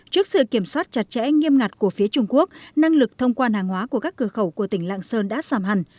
trước sự kiểm soát chặt chẽ nghiêm ngặt của phía trung quốc năng lực thông quan hàng hóa của các cửa khẩu của tỉnh lạng sơn đã giảm hẳn